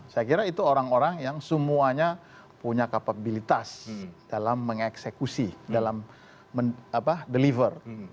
saya kira itu orang orang yang semuanya punya kapabilitas dalam mengeksekusi dalam deliver